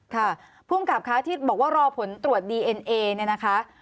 ค่ะภูมิกับค่ะที่บอกว่ารอผลตรวจดีเอ็นเอเนี่ยนะคะ